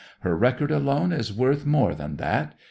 Her record alone is worth more than that.